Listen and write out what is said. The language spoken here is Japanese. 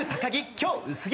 今日薄着。